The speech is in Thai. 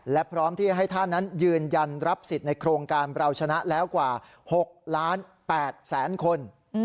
และพร้อมที่ให้ท่านนั้นยืนยันรับสิทธิ์ในโครงการเราชนะแล้วกว่า๖ล้าน๘แสนคน